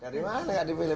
dari mana tidak dipilih